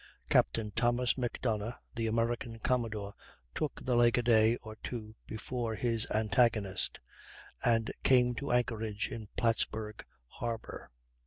Captain Thomas Macdonough, the American commodore, took the lake a day or two before his antagonist, and came to anchor in Plattsburg harbor.